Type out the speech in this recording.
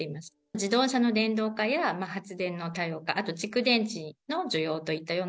自動車の電動化や発電の多様化、あと蓄電池の需要といったよう